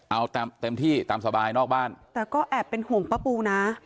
เอาเต็มที่ตามสบายนอกบ้านแต่ก็แอบเป็นห่วงป้าปูนะ